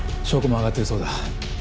証拠も挙がっているそうだ。